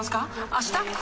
あした？